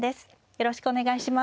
よろしくお願いします。